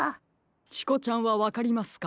チコちゃんはわかりますか？